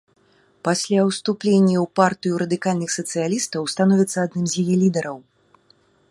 Пасля ўступлення ў партыю радыкальных сацыялістаў, становіцца адным з яе лідараў.